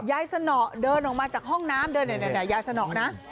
สนอเดินออกมาจากห้องน้ำเดินยายสนอนะ